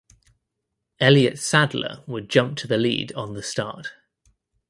Elliott Sadler would jump to the lead on the start.